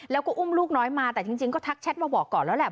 แล้วก็อุ้มลูกน้อยมาแต่จริงก็ทักแชทมาบอกก่อนแล้วแหละ